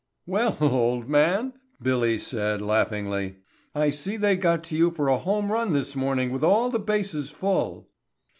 "Well, old man," Billy, said laughingly, "I see they got to you for a home run this morning with all the bases full."